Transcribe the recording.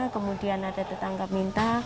kemudian ada tetangga minta